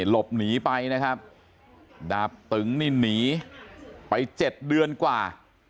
หลบหนีไปนะครับดาบตึงนี่หนีไปเจ็ดเดือนกว่า